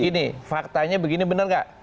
ini faktanya begini benar nggak